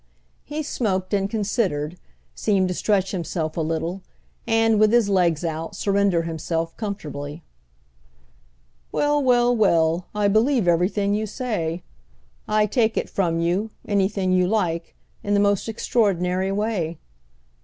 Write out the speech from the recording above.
He smoked and considered; seemed to stretch himself a little and, with his legs out, surrender himself comfortably. "Well, well, well—I believe everything you say. I take it from you—anything you like—in the most extraordinary way."